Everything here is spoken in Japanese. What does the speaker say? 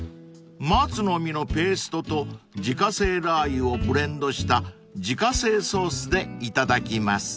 ［マツの実のペーストと自家製ラー油をブレンドした自家製ソースでいただきます］